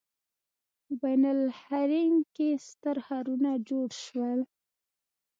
په بین النهرین کې ستر ښارونه جوړ شول.